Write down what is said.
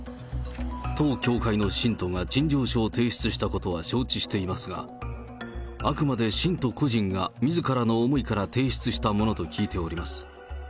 当教会の信徒が陳情書を提出したことは承知していますが、あくまで信徒個人がみずからの思いから提出したものと聞いております。